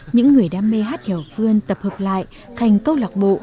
những người đam mê hát hèo phương tập hợp lại thành câu lạc bộ